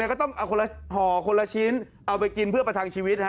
ก็ต้องเอาคนละห่อคนละชิ้นเอาไปกินเพื่อประทังชีวิต